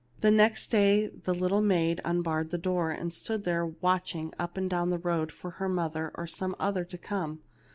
The next day the little maid unbarred the door, and stood there watching up and down the road for her mother or some other to come.